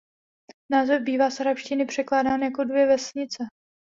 Název bývá z arabštiny překládán jako "Dvě vesnice".